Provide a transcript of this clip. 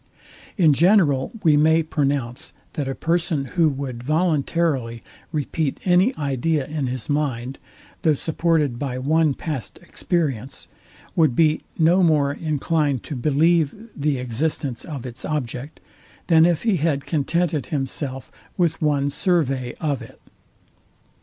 In general we may pronounce, that a person who would voluntarily repeat any idea in his mind, though supported by one past experience, would be no more inclined to believe the existence of its object, than if he had contented himself with one survey of it.